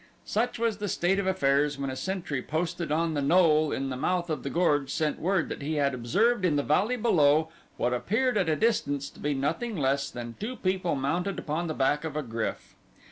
Such was the state of affairs when a sentry posted on the knoll in the mouth of the gorge sent word that he had observed in the valley below what appeared at a distance to be nothing less than two people mounted upon the back of a GRYF.